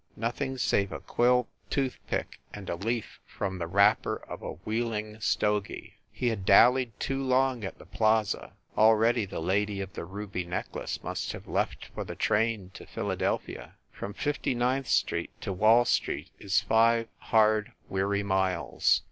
Nothing save a quill toothpick and a leaf from the wrapper of a Wheeling stogie! He had dallied too long at the Plaza; already the lady of the ruby necklace must have left for the train to Philadelphia. From Fifty ninth Street to Wall Street is five hard, weary miles.